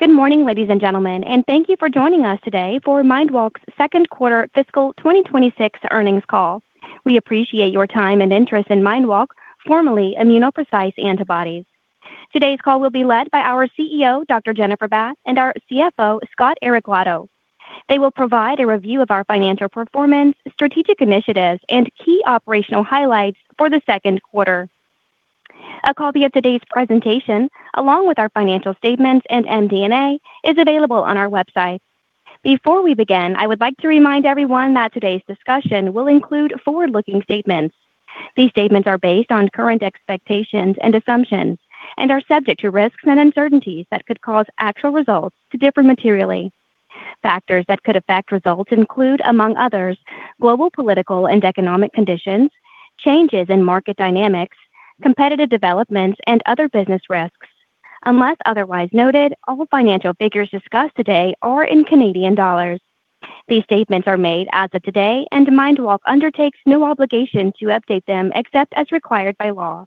Good morning, ladies and gentlemen, and thank you for joining us today for MindWalk's Second Quarter Fiscal 2026 Earnings Call. We appreciate your time and interest in MindWalk, formerly ImmunoPrecise Antibodies. Today's call will be led by our CEO, Dr. Jennifer Bath, and our CFO, Scott Areglado. They will provide a review of our financial performance, strategic initiatives, and key operational highlights for the second quarter. A copy of today's presentation, along with our financial statements and MD&A, is available on our website. Before we begin, I would like to remind everyone that today's discussion will include forward-looking statements. These statements are based on current expectations and assumptions and are subject to risks and uncertainties that could cause actual results to differ materially. Factors that could affect results include, among others, global political and economic conditions, changes in market dynamics, competitive developments, and other business risks. Unless otherwise noted, all financial figures discussed today are in Canadian dollars. These statements are made as of today, and MindWalk undertakes no obligation to update them except as required by law.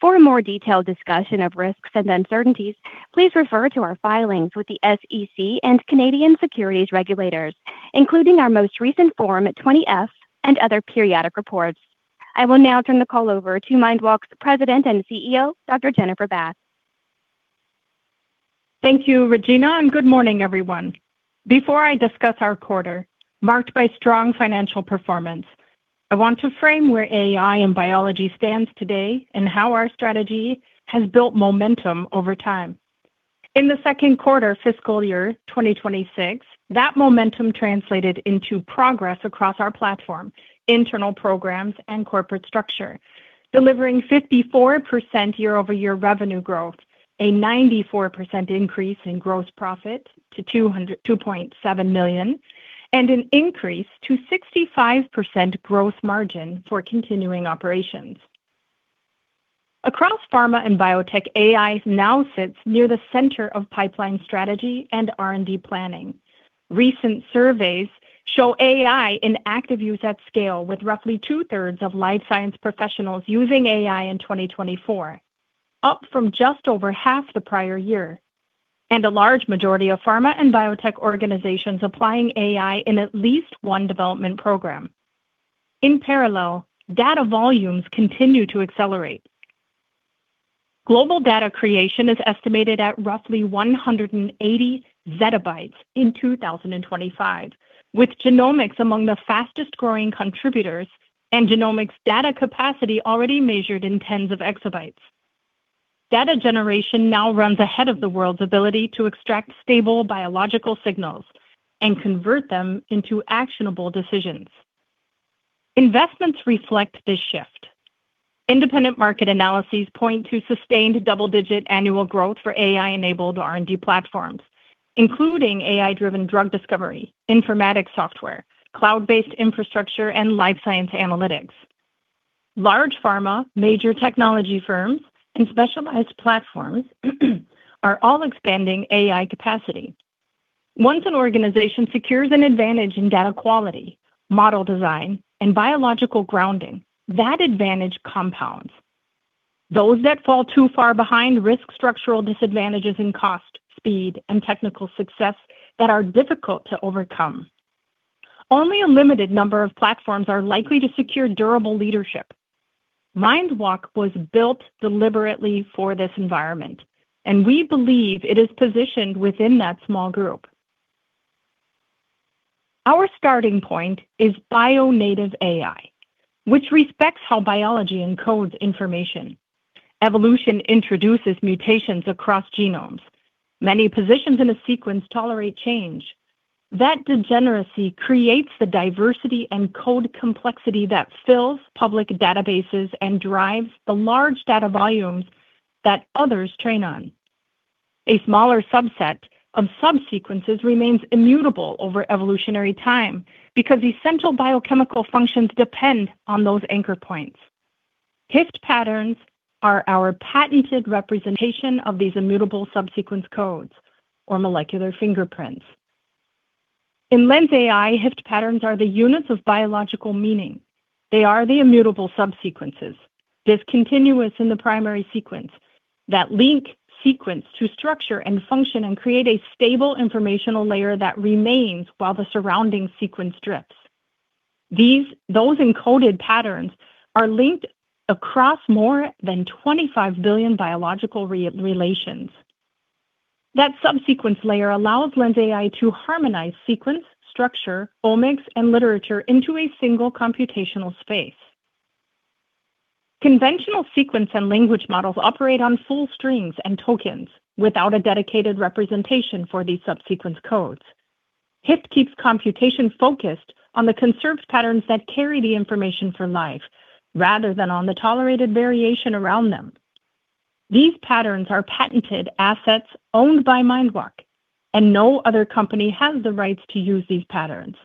For a more detailed discussion of risks and uncertainties, please refer to our filings with the SEC and Canadian securities regulators, including our most recent Form 20-F and other periodic reports. I will now turn the call over to MindWalk's President and CEO, Dr. Jennifer Bath. Thank you, Regina, and good morning, everyone. Before I discuss our quarter, marked by strong financial performance, I want to frame where AI and biology stand today and how our strategy has built momentum over time. In the second quarter fiscal year 2026, that momentum translated into progress across our platform, internal programs, and corporate structure, delivering 54% year-over-year revenue growth, a 94% increase in gross profit to $2.7 million, and an increase to 65% gross margin for continuing operations. Across pharma and biotech, AI now sits near the center of pipeline strategy and R&D planning. Recent surveys show AI in active use at scale, with roughly 2/3 of life science professionals using AI in 2024, up from just over half the prior year, and a large majority of pharma and biotech organizations applying AI in at least one development program. In parallel, data volumes continue to accelerate. Global data creation is estimated at roughly 180 ZB in 2025, with genomics among the fastest-growing contributors and genomics data capacity already measured in tens of exabytes. Data generation now runs ahead of the world's ability to extract stable biological signals and convert them into actionable decisions. Investments reflect this shift. Independent market analyses point to sustained double-digit annual growth for AI-enabled R&D platforms, including AI-driven drug discovery, informatics software, cloud-based infrastructure, and life science analytics. Large pharma, major technology firms, and specialized platforms are all expanding AI capacity. Once an organization secures an advantage in data quality, model design, and biological grounding, that advantage compounds. Those that fall too far behind risk structural disadvantages in cost, speed, and technical success that are difficult to overcome. Only a limited number of platforms are likely to secure durable leadership. MindWalk was built deliberately for this environment, and we believe it is positioned within that small group. Our starting point is Bio-Native AI, which respects how biology encodes information. Evolution introduces mutations across genomes. Many positions in a sequence tolerate change. That degeneracy creates the diversity and code complexity that fills public databases and drives the large data volumes that others train on. A smaller subset of subsequences remains immutable over evolutionary time because essential biochemical functions depend on those anchor points. HYFT patterns are our patented representation of these immutable subsequence codes, or molecular fingerprints. In LensAI, HYFT patterns are the units of biological meaning. They are the immutable subsequences, discontinuous in the primary sequence, that link sequence to structure and function and create a stable informational layer that remains while the surrounding sequence drips. Those encoded patterns are linked across more than 25 billion biological relations. That subsequence layer allows LensAI to harmonize sequence, structure, omics, and literature into a single computational space. Conventional sequence and language models operate on full strings and tokens without a dedicated representation for these subsequence codes. HYFT keeps computation focused on the conserved patterns that carry the information for life rather than on the tolerated variation around them. These patterns are patented assets owned by MindWalk, and no other company has the rights to use these patterns.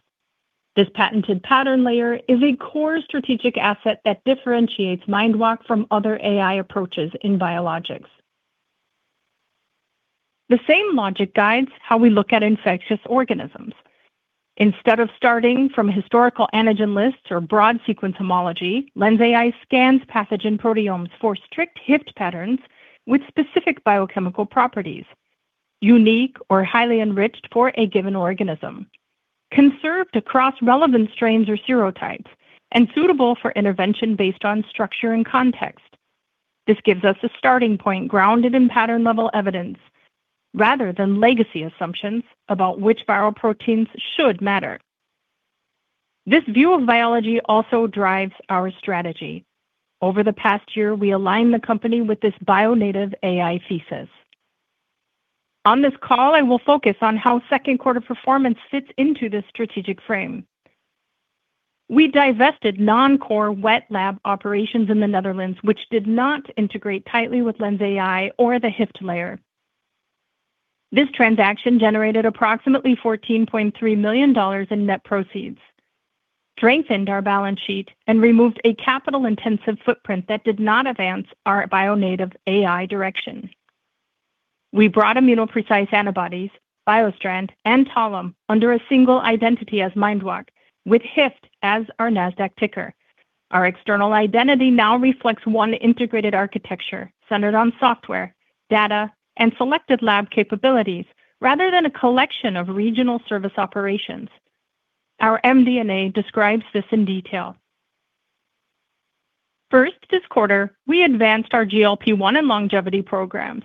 This patented pattern layer is a core strategic asset that differentiates MindWalk from other AI approaches in biologics. The same logic guides how we look at infectious organisms. Instead of starting from historical antigen lists or broad sequence homology, LensAI scans pathogen proteomes for strict HYFT patterns with specific biochemical properties, unique or highly enriched for a given organism, conserved across relevant strains or serotypes, and suitable for intervention based on structure and context. This gives us a starting point grounded in pattern-level evidence rather than legacy assumptions about which viral proteins should matter. This view of biology also drives our strategy. Over the past year, we aligned the company with this Bio-Native AI thesis. On this call, I will focus on how second quarter performance fits into this strategic frame. We divested non-core wet lab operations in the Netherlands, which did not integrate tightly with LensAI or the HYFT layer. This transaction generated approximately $14.3 million in net proceeds, strengthened our balance sheet, and removed a capital-intensive footprint that did not advance our Bio-Native AI direction. We brought ImmunoPrecise Antibodies, BioStrand, and Talem under a single identity as MindWalk, with HYFT as our Nasdaq ticker. Our external identity now reflects one integrated architecture centered on software, data, and selected lab capabilities rather than a collection of regional service operations. Our MD&A describes this in detail. First, this quarter, we advanced our GLP-1 and longevity programs.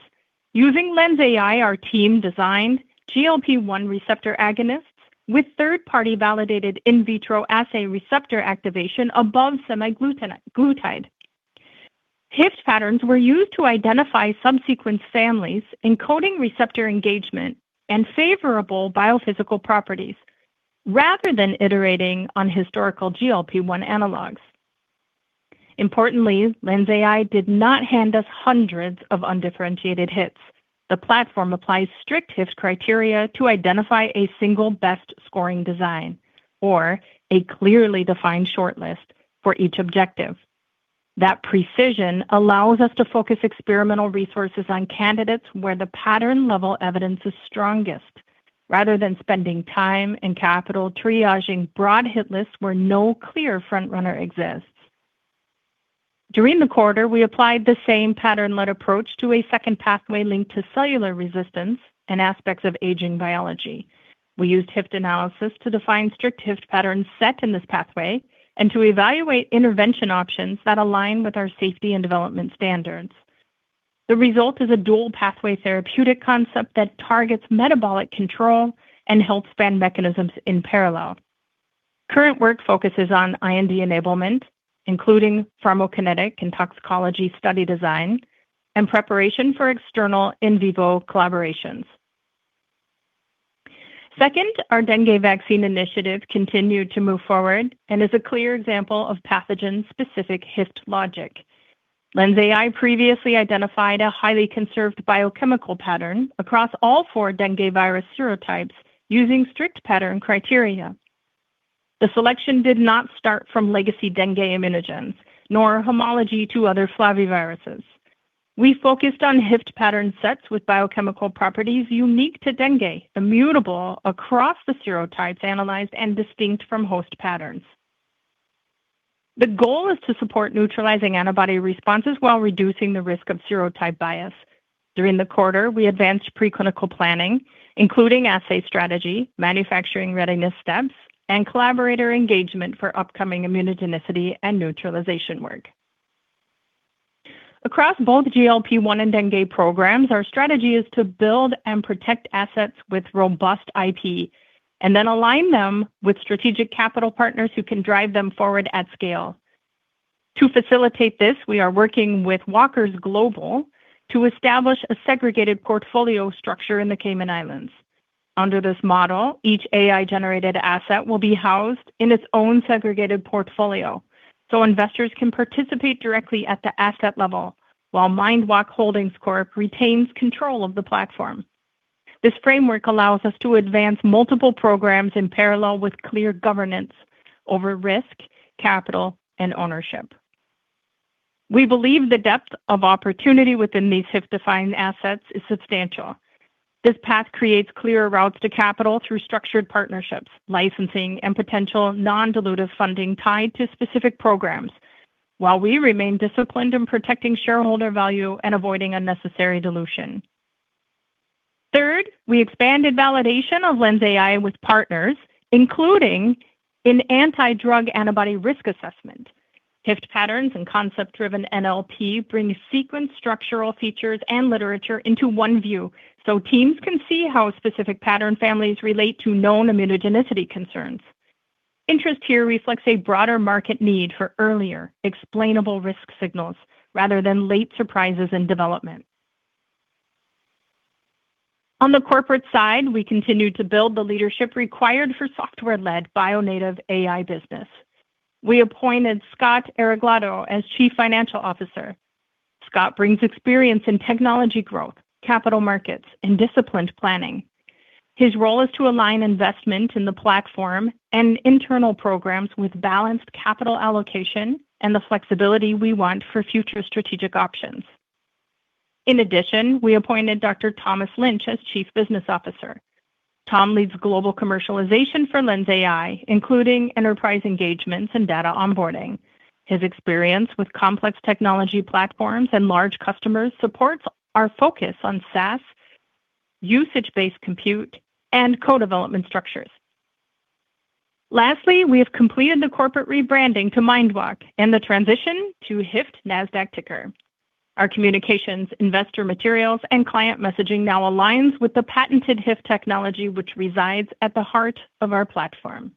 Using LensAI, our team designed GLP-1 receptor agonists with third-party validated in vitro assay receptor activation above semaglutide. HYFT patterns were used to identify subsequence families, encoding receptor engagement, and favorable biophysical properties rather than iterating on historical GLP-1 analogs. Importantly, LensAI did not hand us hundreds of undifferentiated hits. The platform applies strict HYFT criteria to identify a single best-scoring design or a clearly defined shortlist for each objective. That precision allows us to focus experimental resources on candidates where the pattern-level evidence is strongest, rather than spending time and capital triaging broad hit lists where no clear front-runner exists. During the quarter, we applied the same pattern-led approach to a second pathway linked to cellular resistance and aspects of aging biology. We used HYFT analysis to define strict HYFT patterns set in this pathway and to evaluate intervention options that align with our safety and development standards. The result is a dual-pathway therapeutic concept that targets metabolic control and health span mechanisms in parallel. Current work focuses on IND enablement, including pharmacokinetic and toxicology study design and preparation for external in vivo collaborations. Second, our dengue vaccine initiative continued to move forward and is a clear example of pathogen-specific HYFT logic. LensAI previously identified a highly conserved biochemical pattern across all four dengue virus serotypes using strict pattern criteria. The selection did not start from legacy dengue immunogens nor homology to other flaviviruses. We focused on HYFT pattern sets with biochemical properties unique to dengue, immutable across the serotypes analyzed and distinct from host patterns. The goal is to support neutralizing antibody responses while reducing the risk of serotype bias. During the quarter, we advanced preclinical planning, including assay strategy, manufacturing readiness steps, and collaborator engagement for upcoming immunogenicity and neutralization work. Across both GLP-1 and dengue programs, our strategy is to build and protect assets with robust IP and then align them with strategic capital partners who can drive them forward at scale. To facilitate this, we are working with Walkers to establish a segregated portfolio structure in the Cayman Islands. Under this model, each AI-generated asset will be housed in its own segregated portfolio so investors can participate directly at the asset level while MindWalk Holdings Corp retains control of the platform. This framework allows us to advance multiple programs in parallel with clear governance over risk, capital, and ownership. We believe the depth of opportunity within these HYFT-defined assets is substantial. This path creates clearer routes to capital through structured partnerships, licensing, and potential non-dilutive funding tied to specific programs, while we remain disciplined in protecting shareholder value and avoiding unnecessary dilution. Third, we expanded validation of LensAI with partners, including in anti-drug antibody risk assessment. HYFT patterns and concept-driven NLP bring sequence structural features and literature into one view so teams can see how specific pattern families relate to known immunogenicity concerns. Interest here reflects a broader market need for earlier, explainable risk signals rather than late surprises in development. On the corporate side, we continue to build the leadership required for software-led Bio-Native AI business. We appointed Scott Areglado as Chief Financial Officer. Scott brings experience in technology growth, capital markets, and disciplined planning. His role is to align investment in the platform and internal programs with balanced capital allocation and the flexibility we want for future strategic options. In addition, we appointed Dr. Thomas Lynch as Chief Business Officer. Tom leads global commercialization for LensAI, including enterprise engagements and data onboarding. His experience with complex technology platforms and large customers supports our focus on SaaS, usage-based compute, and co-development structures. Lastly, we have completed the corporate rebranding to MindWalk and the transition to HYFT Nasdaq ticker. Our communications, investor materials, and client messaging now align with the patented HYFT technology, which resides at the heart of our platform.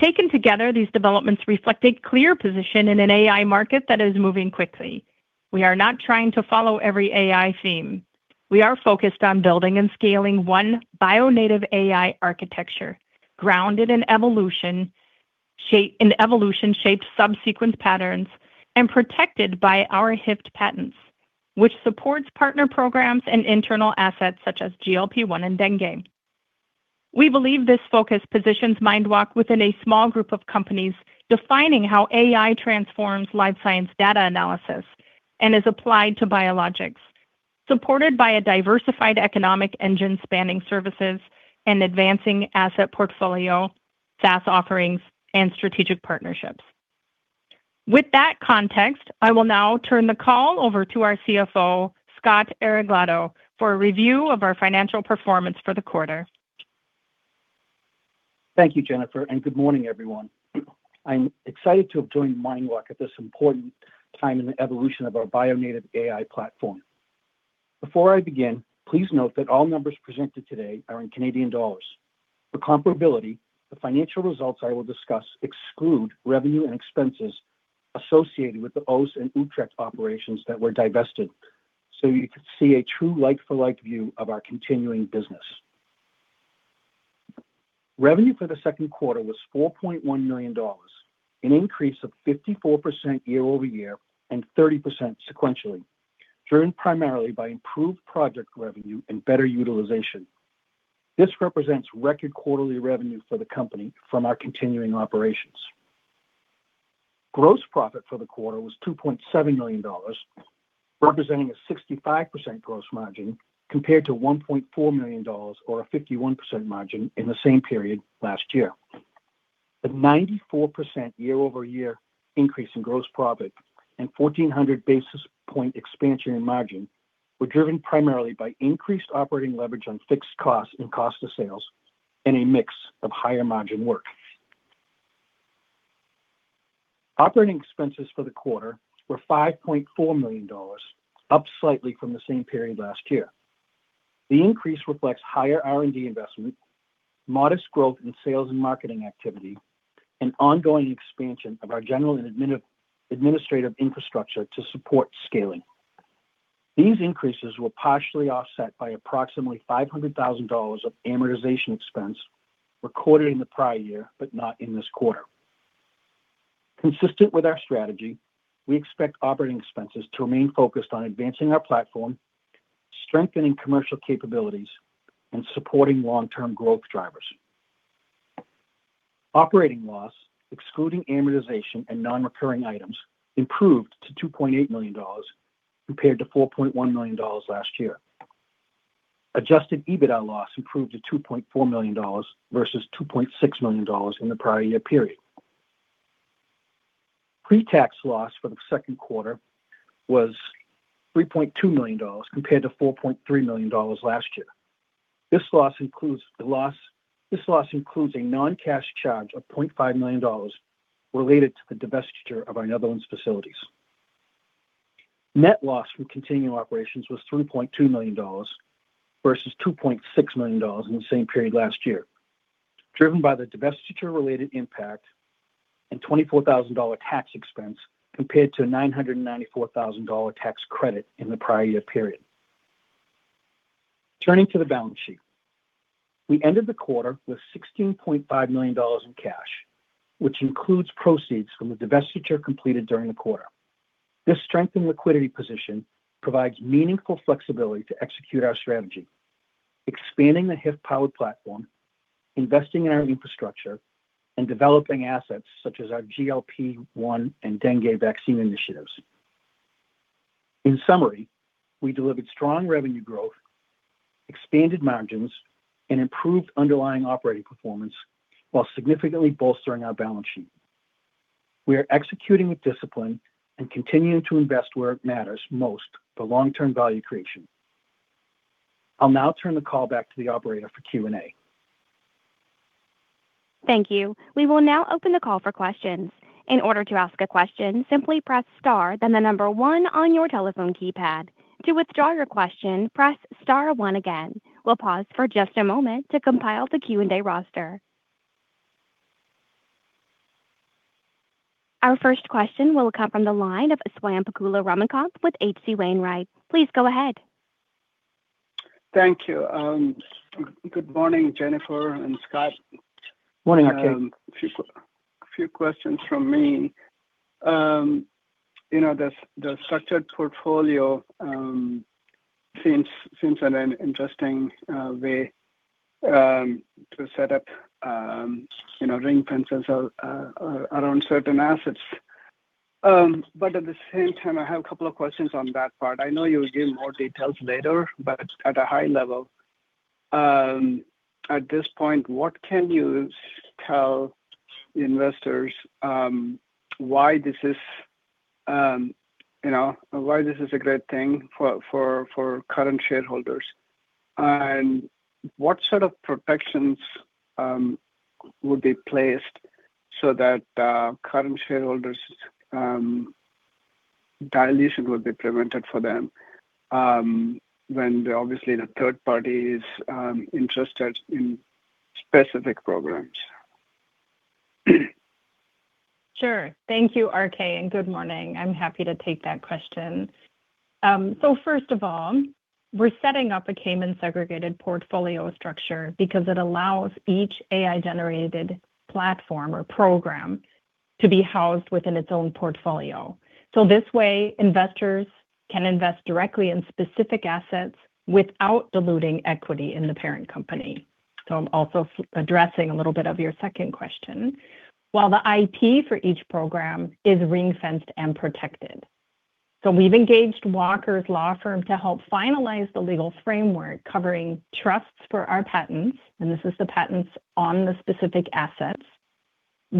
Taken together, these developments reflect a clear position in an AI market that is moving quickly. We are not trying to follow every AI theme. We are focused on building and scaling one Bio-Native AI architecture grounded in evolution-shaped subsequence patterns and protected by our HYFT patents, which supports partner programs and internal assets such as GLP-1 and dengue. We believe this focus positions MindWalk within a small group of companies defining how AI transforms life science data analysis and is applied to biologics, supported by a diversified economic engine spanning services and advancing asset portfolio, SaaS offerings, and strategic partnerships. With that context, I will now turn the call over to our CFO, Scott Areglado, for a review of our financial performance for the quarter. Thank you, Jennifer, and good morning, everyone. I'm excited to have joined MindWalk at this important time in the evolution of our Bio-Native AI platform. Before I begin, please note that all numbers presented today are in Canadian dollars. For comparability, the financial results I will discuss exclude revenue and expenses associated with the Oss and Utrecht operations that were divested, so you can see a true like-for-like view of our continuing business. Revenue for the second quarter was 4.1 million dollars, an increase of 54% year-over-year and 30% sequentially, driven primarily by improved project revenue and better utilization. This represents record quarterly revenue for the company from our continuing operations. Gross profit for the quarter was 2.7 million dollars, representing a 65% gross margin compared to 1.4 million dollars, or a 51% margin, in the same period last year. The 94% year-over-year increase in gross profit and 1,400 basis point expansion in margin were driven primarily by increased operating leverage on fixed costs and cost of sales and a mix of higher margin work. Operating expenses for the quarter were 5.4 million dollars, up slightly from the same period last year. The increase reflects higher R&D investment, modest growth in sales and marketing activity, and ongoing expansion of our general and administrative infrastructure to support scaling. These increases were partially offset by approximately 500,000 dollars of amortization expense recorded in the prior year, but not in this quarter. Consistent with our strategy, we expect operating expenses to remain focused on advancing our platform, strengthening commercial capabilities, and supporting long-term growth drivers. Operating loss, excluding amortization and non-recurring items, improved to 2.8 million dollars compared to 4.1 million dollars last year. Adjusted EBITDA loss improved to $2.4 million versus $2.6 million in the prior year period. Pretax loss for the second quarter was $3.2 million compared to $4.3 million last year. This loss includes a non-cash charge of $0.5 million related to the divestiture of our Netherlands facilities. Net loss from continuing operations was $3.2 million versus $2.6 million in the same period last year, driven by the divestiture-related impact and $24,000 tax expense compared to a $994,000 tax credit in the prior year period. Turning to the balance sheet, we ended the quarter with $16.5 million in cash, which includes proceeds from the divestiture completed during the quarter. This strengthened liquidity position provides meaningful flexibility to execute our strategy, expanding the HYFT-powered platform, investing in our infrastructure, and developing assets such as our GLP-1 and dengue vaccine initiatives. In summary, we delivered strong revenue growth, expanded margins, and improved underlying operating performance while significantly bolstering our balance sheet. We are executing with discipline and continuing to invest where it matters most for long-term value creation. I'll now turn the call back to the operator for Q&A. Thank you. We will now open the call for questions. In order to ask a question, simply press star, then the number one on your telephone keypad. To withdraw your question, press star one again. We'll pause for just a moment to compile the Q&A roster. Our first question will come from the line of Swayampakula Ramakanth with H.C. Wainwright. Please go ahead. Thank you. Good morning, Jennifer and Scott. Morning, Akeem. A few questions from me. The structured portfolio seems an interesting way to set up ring fences around certain assets. But at the same time, I have a couple of questions on that part. I know you'll give more details later, but at a high level, at this point, what can you tell investors why this is a great thing for current shareholders? And what sort of protections would be placed so that current shareholders' dilution would be prevented for them when they're obviously the third party's interested in specific programs? Sure. Thank you, Akeem, and good morning. I'm happy to take that question. So first of all, we're setting up a Cayman segregated portfolio structure because it allows each AI-generated platform or program to be housed within its own portfolio. So this way, investors can invest directly in specific assets without diluting equity in the parent company. So I'm also addressing a little bit of your second question. While the IP for each program is ring-fenced and protected. So we've engaged Walkers law firm to help finalize the legal framework covering trusts for our patents, and this is the patents on the specific assets,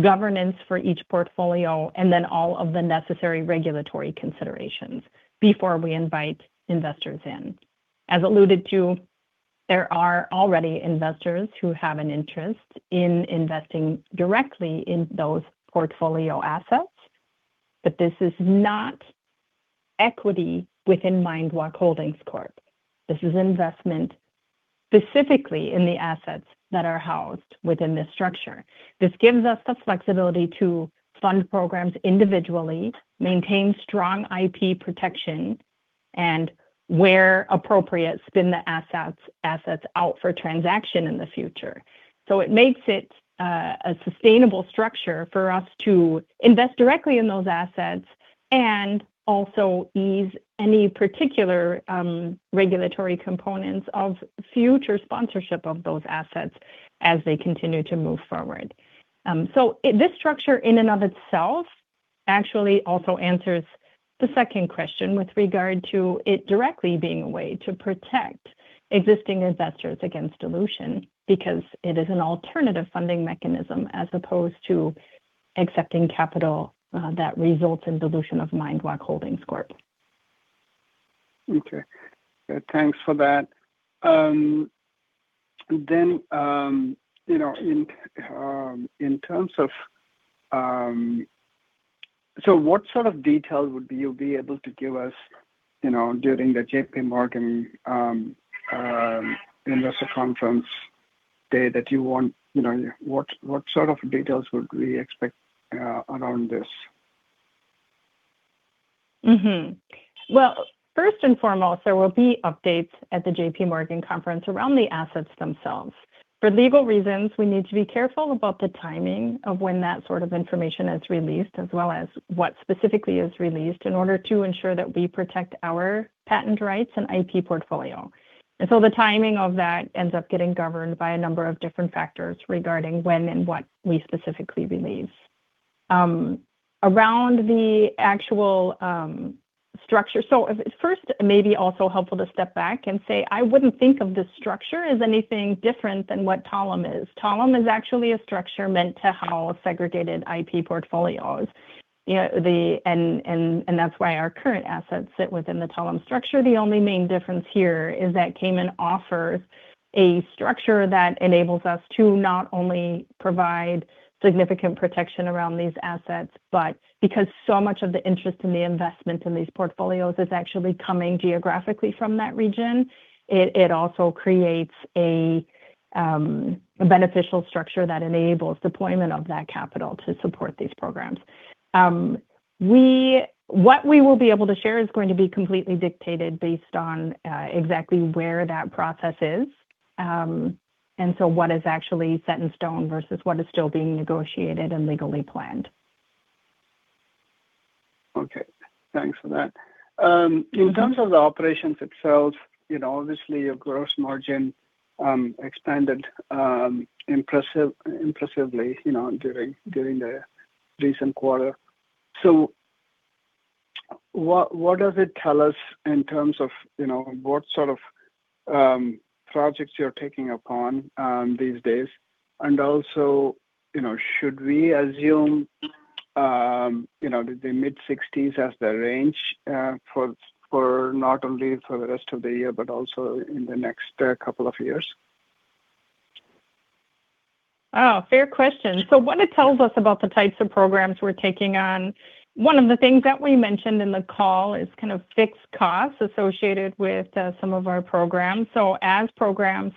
governance for each portfolio, and then all of the necessary regulatory considerations before we invite investors in. As alluded to, there are already investors who have an interest in investing directly in those portfolio assets, but this is not equity within MindWalk Holdings Corp. This is investment specifically in the assets that are housed within this structure. This gives us the flexibility to fund programs individually, maintain strong IP protection, and where appropriate, spin the assets out for transaction in the future. So it makes it a sustainable structure for us to invest directly in those assets and also ease any particular regulatory components of future sponsorship of those assets as they continue to move forward. This structure in and of itself actually also answers the second question with regard to it directly being a way to protect existing investors against dilution because it is an alternative funding mechanism as opposed to accepting capital that results in dilution of MindWalk Holdings Corp. Okay. Thanks for that. Then in terms of so what sort of details would you be able to give us during the J.P. Morgan Investor Conference day that you want? What sort of details would we expect around this? Well, first and foremost, there will be updates at the J.P. Morgan Conference around the assets themselves. For legal reasons, we need to be careful about the timing of when that sort of information is released, as well as what specifically is released, in order to ensure that we protect our patent rights and IP portfolio. And so the timing of that ends up getting governed by a number of different factors regarding when and what we specifically release. Around the actual structure, so first, it may be also helpful to step back and say, "I wouldn't think of this structure as anything different than what Talem is. Talem is actually a structure meant to house segregated IP portfolios, and that's why our current assets sit within the Talem structure. The only main difference here is that Cayman offers a structure that enables us to not only provide significant protection around these assets, but because so much of the interest in the investment in these portfolios is actually coming geographically from that region, it also creates a beneficial structure that enables deployment of that capital to support these programs. What we will be able to share is going to be completely dictated based on exactly where that process is and so what is actually set in stone versus what is still being negotiated and legally planned." Okay. Thanks for that. In terms of the operations itself, obviously, your gross margin expanded impressively during the recent quarter. So what does it tell us in terms of what sort of projects you're taking on these days? And also, should we assume the mid-60s as the range for not only the rest of the year but also in the next couple of years? Oh, fair question. So what it tells us about the types of programs we're taking on, one of the things that we mentioned in the call is kind of fixed costs associated with some of our programs. As programs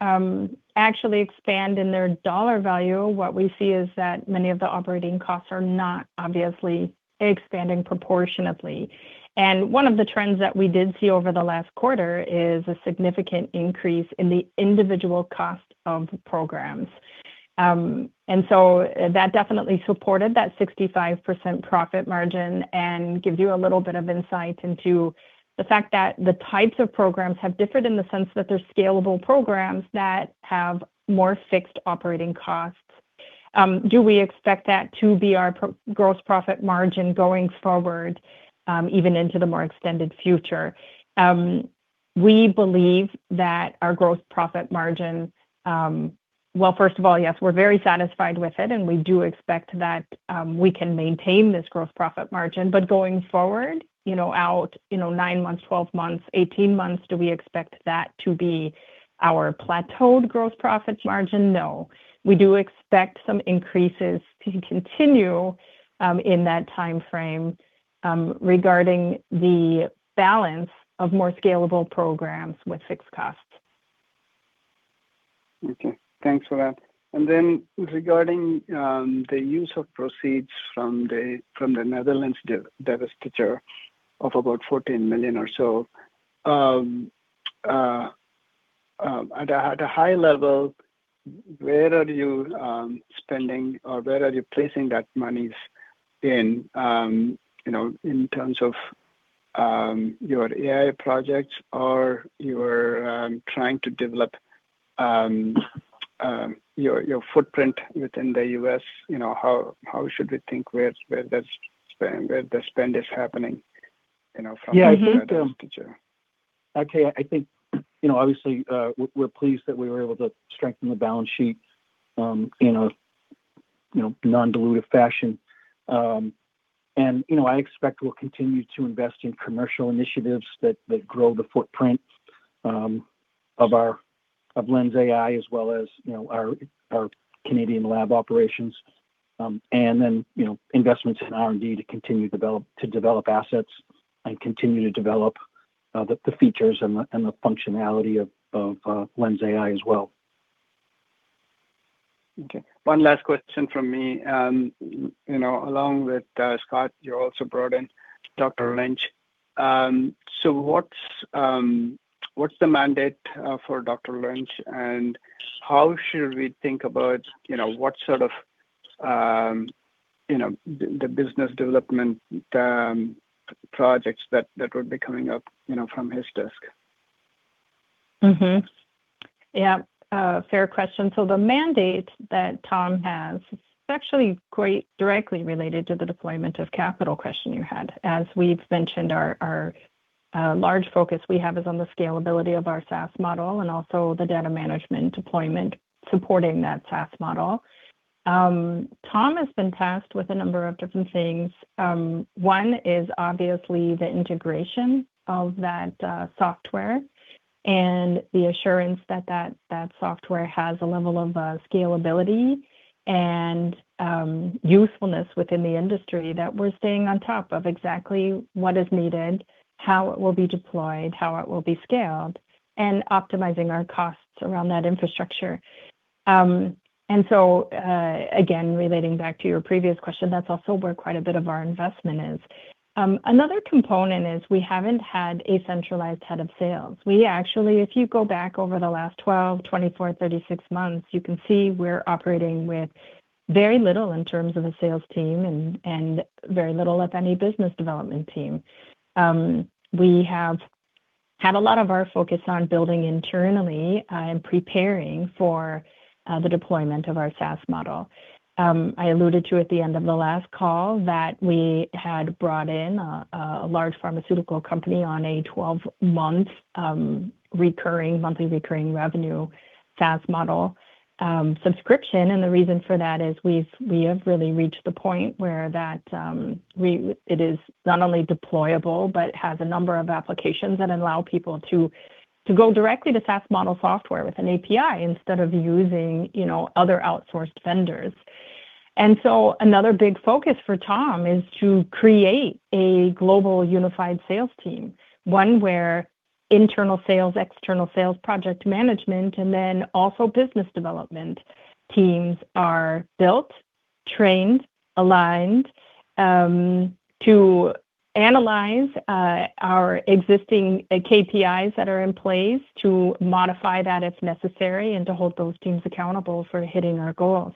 actually expand in their dollar value, what we see is that many of the operating costs are not obviously expanding proportionately. One of the trends that we did see over the last quarter is a significant increase in the individual cost of programs. So that definitely supported that 65% profit margin and gives you a little bit of insight into the fact that the types of programs have differed in the sense that they're scalable programs that have more fixed operating costs. Do we expect that to be our gross profit margin going forward, even into the more extended future? We believe that our gross profit margin. Well, first of all, yes, we're very satisfied with it, and we do expect that we can maintain this gross profit margin. But going forward, out nine months, 12 months, 18 months, do we expect that to be our plateaued gross profit margin? No. We do expect some increases to continue in that timeframe regarding the balance of more scalable programs with fixed costs. Okay. Thanks for that. And then regarding the use of proceeds from the Netherlands divestiture of about 14 million or so, at a high level, where are you spending or where are you placing that money in terms of your AI projects or you're trying to develop your footprint within the U.S.? How should we think where the spend is happening from the divestiture? Yeah. Akeem, I think, obviously, we're pleased that we were able to strengthen the balance sheet in a non-dilutive fashion. And I expect we'll continue to invest in commercial initiatives that grow the footprint of LensAI as well as our Canadian lab operations. And then investments in R&D to continue to develop assets and continue to develop the features and the functionality of LensAI as well. Okay. One last question from me. Along with Scott, you also brought in Dr. Lynch. So what's the mandate for Dr. Lynch, and how should we think about what sort of the business development projects that would be coming up from his desk? Yeah. Fair question. So the mandate that Tom has is actually quite directly related to the deployment of capital question you had. As we've mentioned, our large focus we have is on the scalability of our SaaS model and also the data management deployment supporting that SaaS model. Tom has been tasked with a number of different things. One is obviously the integration of that software and the assurance that that software has a level of scalability and usefulness within the industry that we're staying on top of exactly what is needed, how it will be deployed, how it will be scaled, and optimizing our costs around that infrastructure, and so, again, relating back to your previous question, that's also where quite a bit of our investment is. Another component is we haven't had a centralized head of sales. We actually, if you go back over the last 12, 24, 36 months, you can see we're operating with very little in terms of a sales team and very little of any business development team. We have had a lot of our focus on building internally and preparing for the deployment of our SaaS model. I alluded to at the end of the last call that we had brought in a large pharmaceutical company on a 12-month monthly recurring revenue SaaS model subscription, and the reason for that is we have really reached the point where it is not only deployable but has a number of applications that allow people to go directly to SaaS model software with an API instead of using other outsourced vendors, and so another big focus for Tom is to create a global unified sales team, one where internal sales, external sales project management, and then also business development teams are built, trained, aligned to analyze our existing KPIs that are in place to modify that if necessary and to hold those teams accountable for hitting our goals,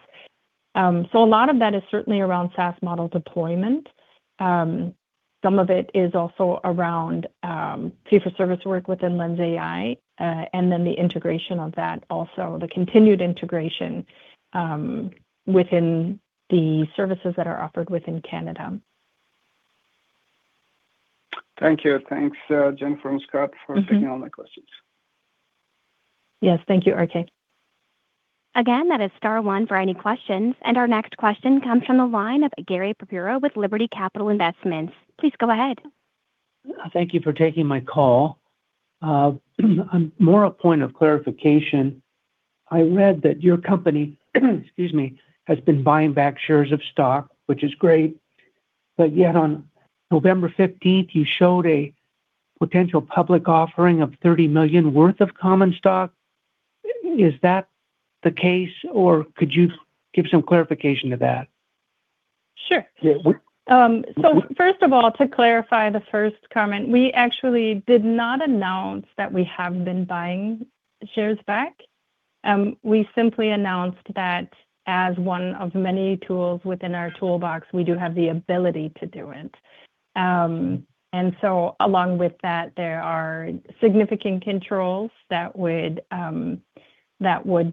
so a lot of that is certainly around SaaS model deployment. Some of it is also around fee-for-service work within LensAI and then the integration of that, also the continued integration within the services that are offered within Canada. Thank you. Thanks, Jennifer and Scott, for taking all my questions. Yes. Thank you, Akeem. Again, that is star one for any questions. Our next question comes from the line of Gary Pereira with Liberty Capital Investments. Please go ahead. Thank you for taking my call. More a point of clarification. I read that your company, excuse me, has been buying back shares of stock, which is great. But yet on November 15th, you showed a potential public offering of $30 million worth of common stock. Is that the case, or could you give some clarification to that? Sure. So first of all, to clarify the first comment, we actually did not announce that we have been buying shares back. We simply announced that as one of many tools within our toolbox, we do have the ability to do it. And so along with that, there are significant controls that would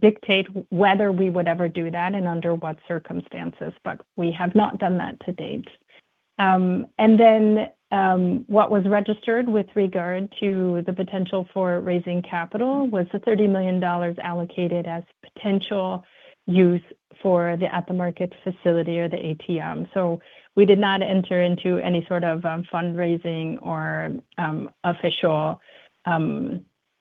dictate whether we would ever do that and under what circumstances, but we have not done that to date. And then what was registered with regard to the potential for raising capital was the 30 million dollars allocated as potential use for the at-the-market facility or the ATM. So we did not enter into any sort of fundraising or official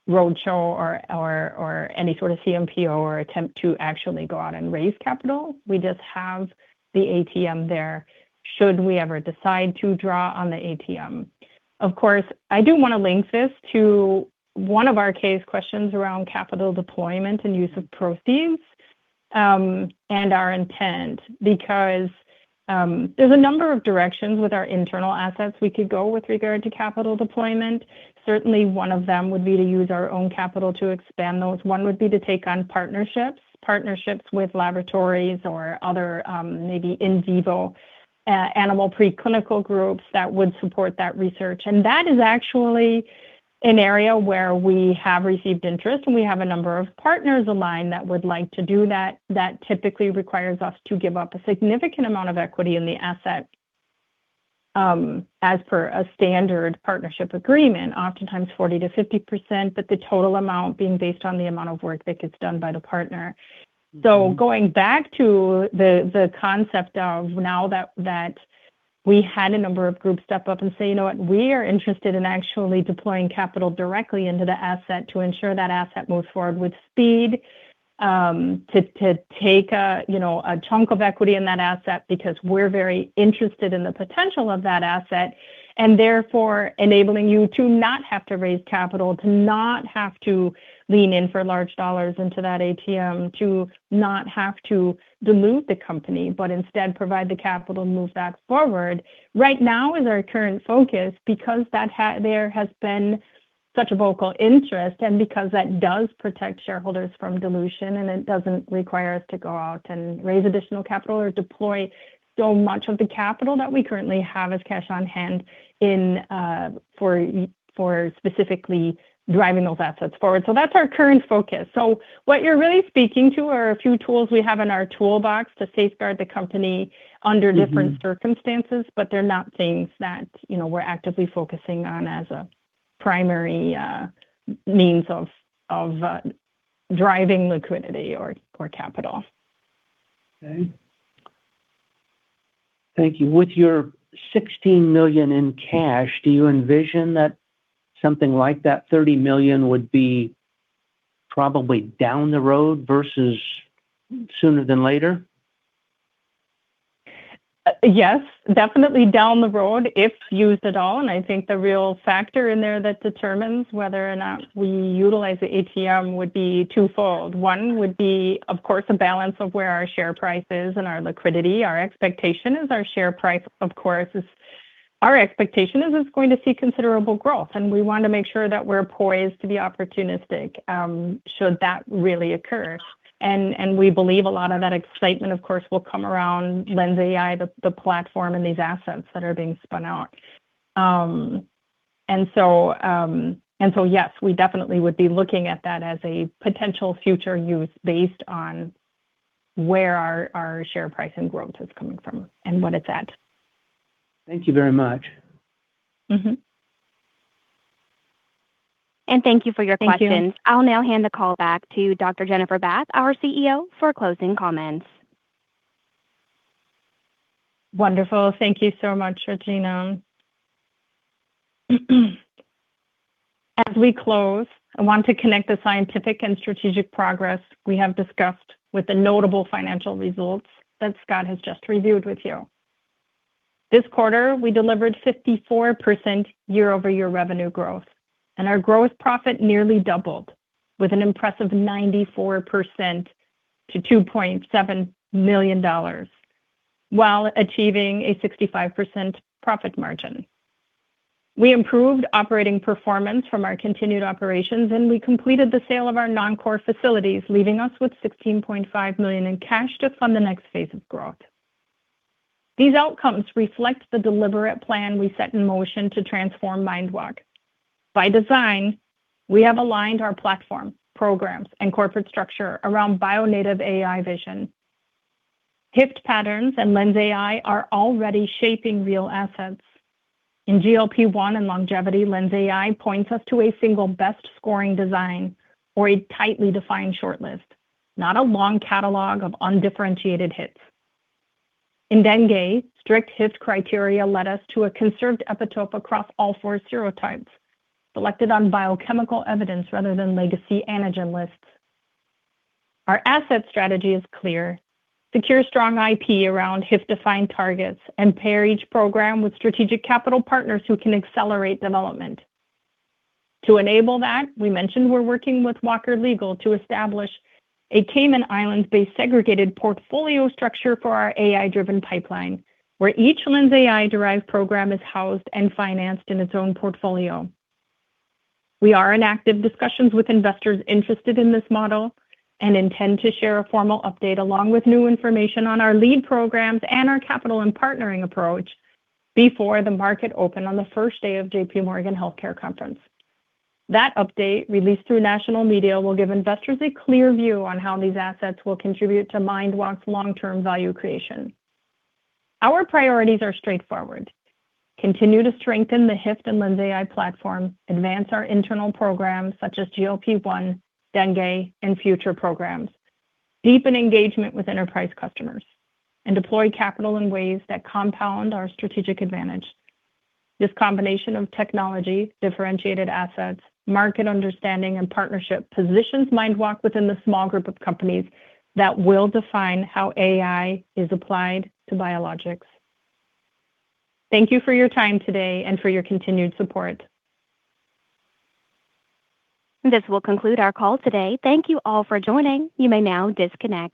roadshow or any sort of CMPO or attempt to actually go out and raise capital. We just have the ATM there should we ever decide to draw on the ATM. Of course, I do want to link this to one of our case questions around capital deployment and use of proceeds and our intent because there's a number of directions with our internal assets we could go with regard to capital deployment. Certainly, one of them would be to use our own capital to expand those. One would be to take on partnerships, partnerships with laboratories or other maybe in vivo animal preclinical groups that would support that research, and that is actually an area where we have received interest, and we have a number of partners aligned that would like to do that. That typically requires us to give up a significant amount of equity in the asset as per a standard partnership agreement, oftentimes 40%-50%, but the total amount being based on the amount of work that gets done by the partner. So going back to the concept of now that we had a number of groups step up and say, "You know what? We are interested in actually deploying capital directly into the asset to ensure that asset moves forward with speed, to take a chunk of equity in that asset because we're very interested in the potential of that asset," and therefore enabling you to not have to raise capital, to not have to lean in for large dollars into that ATM, to not have to dilute the company, but instead provide the capital and move that forward. Right now is our current focus because there has been such a vocal interest and because that does protect shareholders from dilution, and it doesn't require us to go out and raise additional capital or deploy so much of the capital that we currently have as cash on hand for specifically driving those assets forward. So that's our current focus. So what you're really speaking to are a few tools we have in our toolbox to safeguard the company under different circumstances, but they're not things that we're actively focusing on as a primary means of driving liquidity or capital. Okay. Thank you. With your 16 million in cash, do you envision that something like that 30 million would be probably down the road versus sooner than later? Yes. Definitely down the road if used at all. And I think the real factor in there that determines whether or not we utilize the ATM would be twofold. One would be, of course, a balance of where our share price is and our liquidity. Our expectation is our share price, of course, is going to see considerable growth, and we want to make sure that we're poised to be opportunistic should that really occur. And we believe a lot of that excitement, of course, will come around LensAI, the platform, and these assets that are being spun out. And so, yes, we definitely would be looking at that as a potential future use based on where our share price and growth is coming from and what it's at. Thank you very much. And thank you for your questions. I'll now hand the call back to Dr. Jennifer Bath, our CEO, for closing comments. Wonderful. Thank you so much, Regina. As we close, I want to connect the scientific and strategic progress we have discussed with the notable financial results that Scott has just reviewed with you. This quarter, we delivered 54% year-over-year revenue growth, and our gross profit nearly doubled with an impressive 94% to 2.7 million dollars while achieving a 65% profit margin. We improved operating performance from our continued operations, and we completed the sale of our non-core facilities, leaving us with 16.5 million in cash to fund the next phase of growth. These outcomes reflect the deliberate plan we set in motion to transform MindWalk. By design, we have aligned our platform, programs, and corporate structure around Bio-Native AI vision. HYFT patterns and LensAI are already shaping real assets. In GLP-1 and longevity, LensAI points us to a single best-scoring design or a tightly defined shortlist, not a long catalog of undifferentiated hits. In dengue, strict HYFT criteria led us to a conserved epitope across all four serotypes, selected on biochemical evidence rather than legacy antigen lists. Our asset strategy is clear: secure strong IP around HYFT-defined targets and pair each program with strategic capital partners who can accelerate development. To enable that, we mentioned we're working with Walkers legal to establish a Cayman Islands-based segregated portfolio structure for our AI-driven pipeline, where each LensAI-derived program is housed and financed in its own portfolio. We are in active discussions with investors interested in this model and intend to share a formal update along with new information on our lead programs and our capital and partnering approach before the market open on the first day of J.P. Morgan Healthcare Conference. That update, released through national media, will give investors a clear view on how these assets will contribute to MindWalk's long-term value creation. Our priorities are straightforward: continue to strengthen the HYFT and LensAI platform, advance our internal programs such as GLP-1, dengue, and future programs, deepen engagement with enterprise customers, and deploy capital in ways that compound our strategic advantage. This combination of technology, differentiated assets, market understanding, and partnership positions MindWalk within the small group of companies that will define how AI is applied to biologics. Thank you for your time today and for your continued support. This will conclude our call today. Thank you all for joining. You may now disconnect.